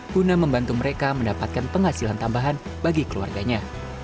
guna membantu mereka mendapatkan penghasilan tambahan bagi keluarganya